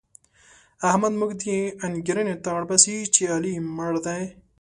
احمد موږ دې انګېرنې ته اړباسي چې علي مړ دی.